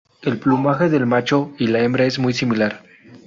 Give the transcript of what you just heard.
El plumaje del macho y la hembra es muy similar.